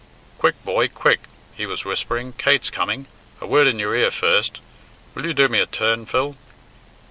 "Quick, boy, quick!" he was whispering, "Kate's coming. A word in your ear first. Will you do me a turn, Phil?"